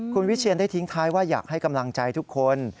คุณวิเชียนได้ทิ้งท้ายว่าอยากให้กำลังใจทุกคน